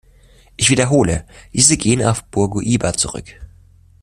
Ich wiederhole, diese gehen auf Bourguiba zurück.